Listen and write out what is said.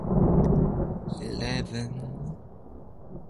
The website is a part of the Interactive One network.